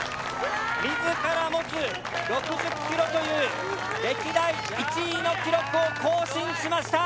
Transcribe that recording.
自ら持つ６０ｋｍという歴代１位の記録を更新しました！